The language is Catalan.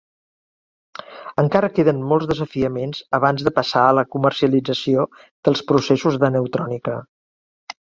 Encara queden molts desafiaments abans de passar a la comercialització dels processos d'aneutrònica.